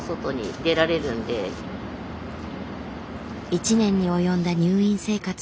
１年に及んだ入院生活。